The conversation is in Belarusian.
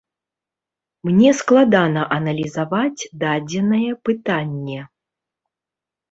Мне складана аналізаваць дадзенае пытанне.